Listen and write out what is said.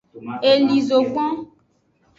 Eli zogbon.